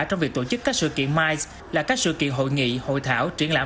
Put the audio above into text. trong việc tổ chức các sự kiện mice là các sự kiện hội nghị hội thảo triển lãm